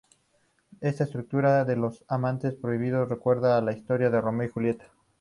Esta estructura de los amantes prohibidos recuerda a la historia de Romeo y Julieta.